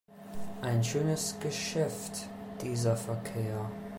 Ein schönes Geschäft, dieser Verkehr!